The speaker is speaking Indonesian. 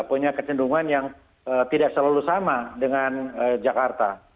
punya kecenderungan yang tidak selalu sama dengan jakarta